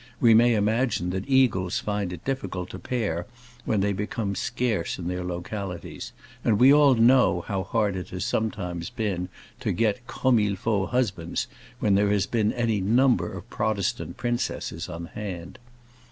We may imagine that eagles find it difficult to pair when they become scarce in their localities; and we all know how hard it has sometimes been to get comme il faut husbands when there has been any number of Protestant princesses on hand.